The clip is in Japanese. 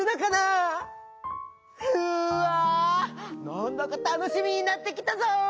なんだかたのしみになってきたぞ！